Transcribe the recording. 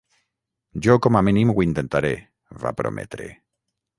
Jo com a mínim ho intentaré, va prometre.